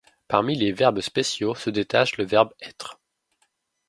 Parmi les verbes spéciaux se détache le verbe être.